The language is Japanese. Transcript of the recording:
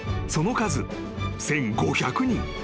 ［その数１，５００人］